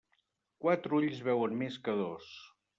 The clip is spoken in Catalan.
Quatre ulls veuen més que dos.